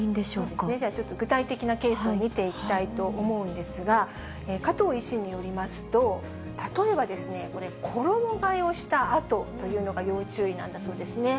それじゃあ、ちょっと具体的なケースを見ていきたいと思うんですが、加藤医師によりますと、例えばですね、これ、衣がえをしたあとというのが要注意なんだそうですね。